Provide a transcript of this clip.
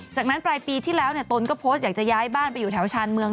จากนั้นปลายปีที่แล้วตนก็โพสต์อยากจะย้ายบ้านไปอยู่แถวชาญเมือง